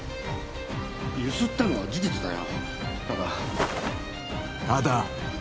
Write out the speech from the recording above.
ゆすったのは事実だよただただ？